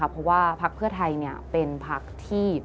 เพราะว่าพักเพื่อไทยเป็นพักที่